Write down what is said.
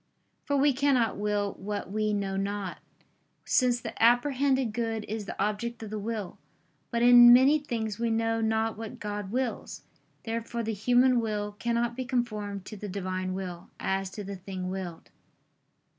For we cannot will what we know not: since the apprehended good is the object of the will. But in many things we know not what God wills. Therefore the human will cannot be conformed to the Divine will as to the thing willed.